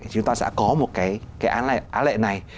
chúng ta sẽ có một cái án lệ này